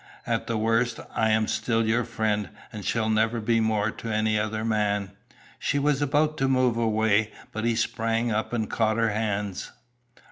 At the worst, I am still your friend, and shall never be more to any other man." She was about to move away, but he sprang up and caught her hands.